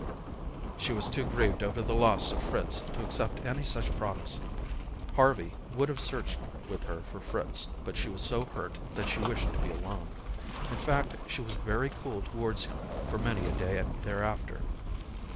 She was too grieved over the loss of Fritz to accept any such promise. Harvey would have searched with her for Fritz, but she was so hurt that she wished to be alone. In fact, she was very cool towards him for many a day thereafter.